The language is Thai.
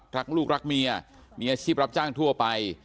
รักลูกรักเมียมีอาชีพรับจ้างทั่วไป